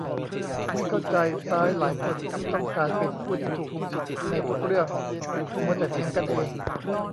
ไม่เข้าใจซ้ายหลายคนที่ต้องการเป็นผู้ที่ถูกที่สุดในทุกเรื่อง มัวแต่เถียงกันเอง